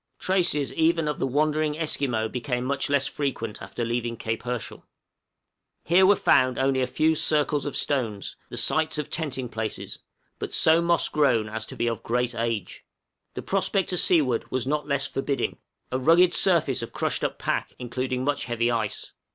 Traces even of the wandering Esquimaux became much less frequent after leaving Cape Herschel. Here were found only a few circles of stones, the sites of tenting places, but so moss grown as to be of great age. The prospect to seaward was not less forbidding a rugged surface of crushed up pack, including much heavy ice.